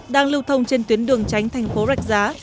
đang lưu thông trên tuyến đường tránh thành phố rạch giá